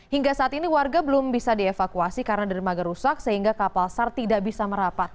hingga saat ini warga belum bisa dievakuasi karena dermaga rusak sehingga kapal sar tidak bisa merapat